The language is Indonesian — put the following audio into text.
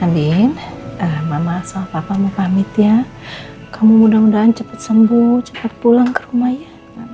andin mama sama papa mau pamit ya kamu mudah mudahan cepet sembuh cepet pulang ke rumah ya